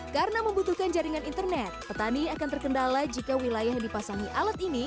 karena membutuhkan jaringan internet petani akan terkendala jika wilayah yang dipasangi alat ini